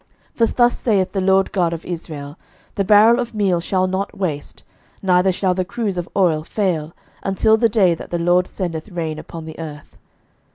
11:017:014 For thus saith the LORD God of Israel, The barrel of meal shall not waste, neither shall the cruse of oil fail, until the day that the LORD sendeth rain upon the earth.